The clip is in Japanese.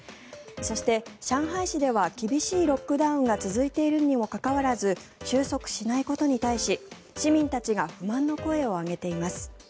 そして、上海市では厳しいロックダウンが続いているにもかかわらず収束しないことに対し市民たちが不満の声を上げています。